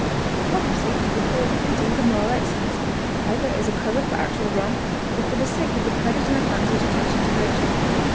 Hypocrisy is the false pretense of moral excellence, either as a cover for actual wrong, or for the sake of the credit and advantage attaching to virtue.